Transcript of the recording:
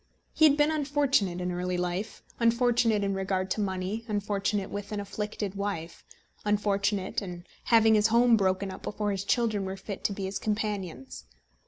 He had been unfortunate in early life unfortunate in regard to money unfortunate with an afflicted wife unfortunate in having his home broken up before his children were fit to be his companions.